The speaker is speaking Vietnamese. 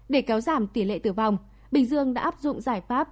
để kéo giảm tỷ lệ tử vong bình dương đã áp dụng giải pháp